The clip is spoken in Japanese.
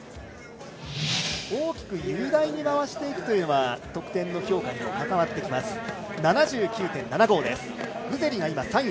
大きく雄大に回していくというのが得点の評価にも関わります。